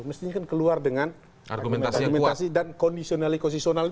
mestinya kan keluar dengan argumentasi dan kondisionalik kondisionalik itu